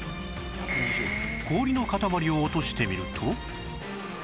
氷の塊を落としてみると